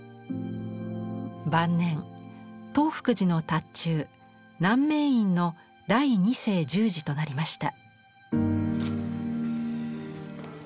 晩年東福寺の塔頭南明院の第２世住持となりました。